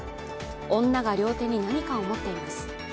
女が両手に何かを持っています。